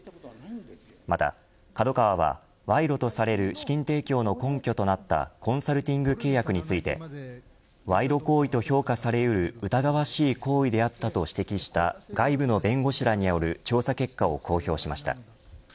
またＫＡＤＯＫＡＷＡは賄賂とされる資金提供の根拠となったコンサルティング契約について賄賂行為と評価されうる疑わしい行為であったと指摘した外部の弁護士らによる調査結果を公表しました。